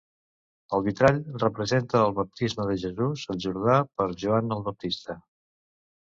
El vitrall representa el Baptisme de Jesús al Jordà per Joan el Baptista.